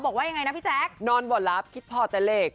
บอกว่ายังไงนะพี่แจ๊คนอนบ่อลับคิดพอแต่เลข